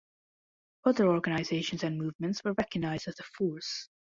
Other organisations and movements were recognized as a force.